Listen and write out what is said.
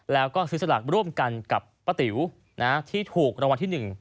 แล้วก็ซื้อสลากร่วมกันกับป้าติ๋วที่ถูกรางวัลที่๑